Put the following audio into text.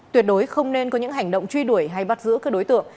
tuyệt đối không nên có những hành động truy đuổi hay bắt giữ các đối tượng